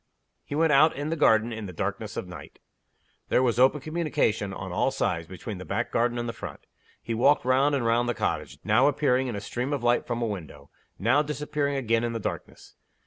He went out in the garden in the darkness of the night. There was open communication, on all sides, between the back garden and the front. He walked round and round the cottage now appearing in a stream of light from a window; now disappearing again in the darkness.